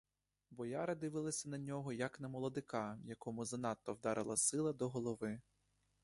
Бояри дивилися на нього як на молодика, якому занадто вдарила сила до голови.